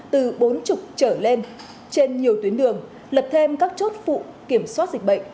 từ bốn mươi trở lên trên nhiều tuyến đường lập thêm các chốt phụ kiểm soát dịch bệnh